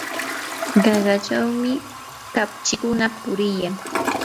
qaqachawmi kapchikuna puriyan.